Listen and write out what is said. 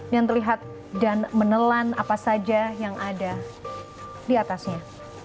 yang terlihat dan menelan apa saja yang ada diatasnya